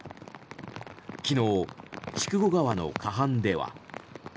昨日、筑後川の河畔では。